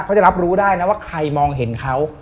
เขาจะรับรู้ได้นะว่าใครมองเห็นเขา